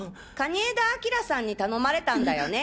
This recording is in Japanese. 蟹江田明さんに頼まれたんだよね？